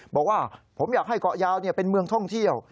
บอกว่าผมอยากให้เกาะยาวเป็นเมืองท่องเที่ยว